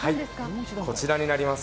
こちらになります。